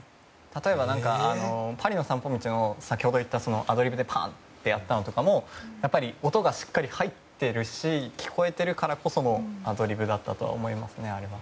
例えば「パリの散歩道」の先ほど言ったアドリブでやったのとかも音がしっかり入ってるし聞こえてるからこそのアドリブだったと思います。